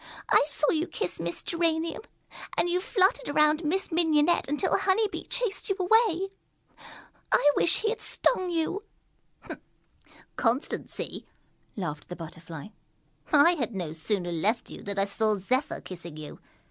I saw you kiss Miss Geranium, and you fluttered around Miss Mignonette until Honey Bee chased you away. I wish he had stung you!" "Constancy!" laughed the Butterfly. "I had no sooner left you than I saw Zephyr kissing you.